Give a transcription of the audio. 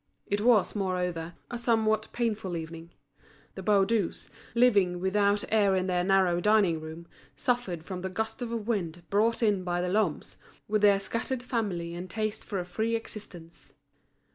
It was, moreover, a somewhat painful evening. The Baudus, living without air in their narrow dining room, suffered from the gust of wind brought in by the Lhommes, with their scattered family and taste for a free existence.